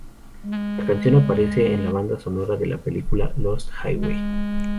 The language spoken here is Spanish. La canción aparece en la banda sonora de la película "Lost Highway".